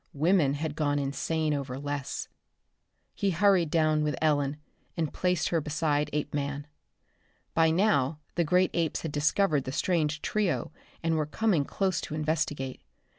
Women had gone insane over less. He hurried down with Ellen, and placed her beside Apeman. By now the great apes had discovered the strange trio and were coming close to investigate.